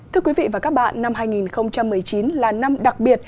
thưa quý vị và các bạn năm hai nghìn một mươi chín là năm đặc biệt